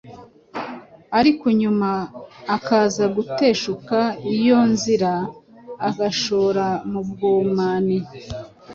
ariko nyuma akaza guteshuka iyo nzira akishora mu bwoman